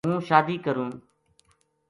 ہوں شادی کروں